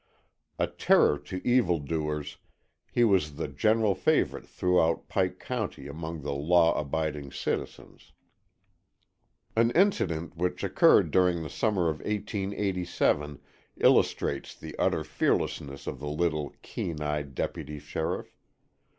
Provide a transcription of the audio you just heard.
A terror to evil doers, he was the general favorite throughout Pike County among the law abiding citizens. An incident which occurred during the summer of 1887, illustrates the utter fearlessness of the little, keen eyed deputy sheriff.